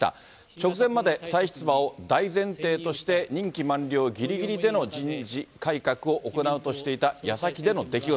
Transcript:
直前まで、再出馬を大前提として、任期満了ぎりぎりでの人事改革を行うとしていたやさきでの出来事。